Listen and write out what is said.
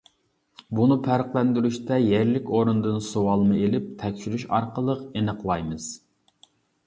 بۇنى پەرقلەندۈرۈشتە يەرلىك ئورۇندىن سۇۋالما ئېلىپ تەكشۈرۈش ئارقىلىق ئېنىقلايمىز.